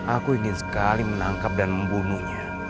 aku ingin sekali menangkap dan membunuhnya